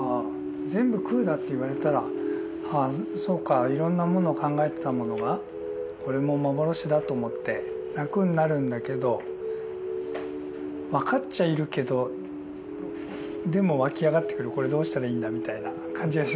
全部空だって言われたらああそうかいろんなもの考えてたものがこれも幻だと思って楽になるんだけど分かっちゃいるけどでも湧き上がってくるこれどうしたらいいんだみたいな感じは。